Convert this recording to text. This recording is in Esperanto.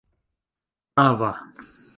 prava